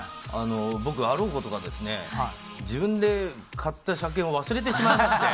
僕、あろうことか、自分で買った車券を忘れてしまいまして。